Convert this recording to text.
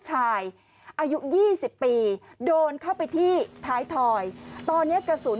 อายุ๒๐ปีโดนเข้าไปที่ท้ายถอยตอนนี้กระสุน